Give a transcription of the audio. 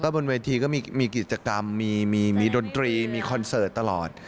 บนเวทีก็มีกิจกรรมมีดนตรีมีคอนเสิร์ตตลอด